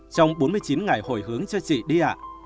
trong bốn mươi chín ngày hồi hướng cho chị đi ạ